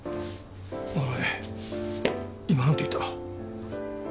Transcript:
お前今何て言った？